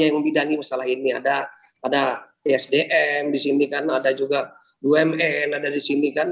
yang membidangi masalah ini ada esdm di sini kan ada juga bumn ada di sini kan